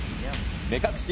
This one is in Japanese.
目隠し